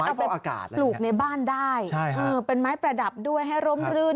เอาไปปลูกในบ้านได้เป็นไม้ประดับด้วยให้ร่มรื่น